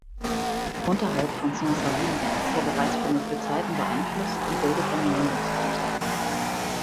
Unterhalb von Saint-Savinien ist er bereits von den Gezeiten beeinflusst und bildet einen Mündungstrichter.